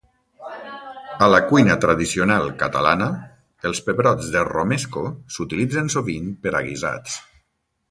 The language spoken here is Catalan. A la cuina tradicional catalana els pebrots de romesco s'utilitzen sovint per a guisats.